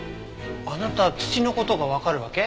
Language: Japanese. あなた土の事がわかるわけ？